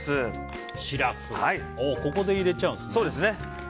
ここで入れちゃうんですね。